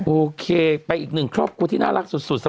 โอเคไปอีกหนึ่งครอบครูที่น่ารักสุด